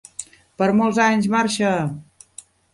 Per molts anys, Marsha!